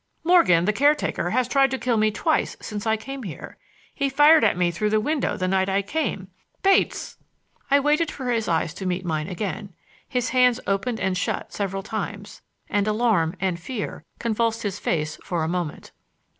"Morgan, the caretaker, has tried to kill me twice since I came here. He fired at me through the window the night I came,—Bates!" I waited for his eyes to meet mine again. His hands opened and shut several times, and alarm and fear convulsed his face for a moment.